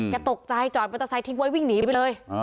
ตกใจจอดมอเตอร์ไซค์ทิ้งไว้วิ่งหนีไปเลย